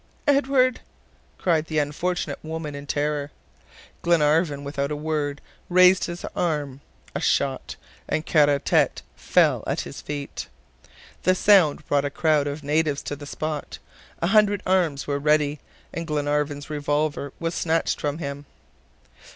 "Edward!" cried the unfortunate woman in terror. Glenarvan, without a word, raised his arm, a shot! and Kara Tete fell at his feet. The sound brought a crowd of natives to the spot. A hundred arms were ready, and Glenarvan's revolver was snatched from him.